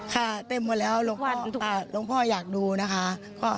ค่ะเต็มหมดแล้วหลวงพ่ออยากดูนะคะ